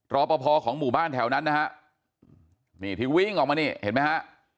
รอปภของหมู่บ้านแถวนั้นนะฮะนี่ที่วิ่งออกมานี่เห็นไหมฮะ